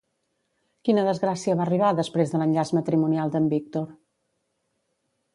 Quina desgràcia va arribar després de l'enllaç matrimonial d'en Víctor?